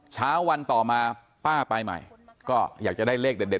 เช้าวันต่อมาป้าไปใหม่ก็อยากจะได้เลขเด็ด